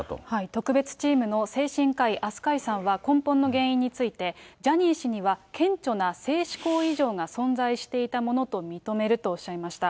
特別チームの精神科医、飛鳥井さんは、根本の原因について、ジャニー氏には顕著な性しこう異常が存在していたものと認めるとおっしゃいました。